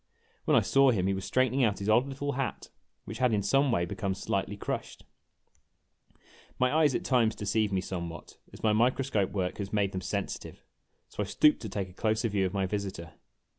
When I saw him he was 1 ': ^s2 "' KEEP OFF ! DO YOU MEAN TO EAT ME ?'' straightening out his odd little hat, which had in some way become slightly crushed. My eyes at times deceive me somewhat, as my microscope work has made them sensitive ; so I stooped to take a closer view of my visitor.